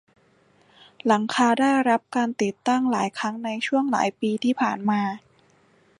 หลังคาได้รับการติดตั้งหลายครั้งในช่วงหลายปีที่ผ่านมา